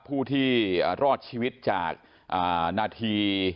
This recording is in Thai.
ผู้ที่รอดชีวิตจากนาที